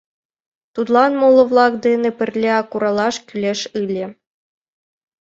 Тудлан моло-влак дене пырля куралаш кӱлеш ыле.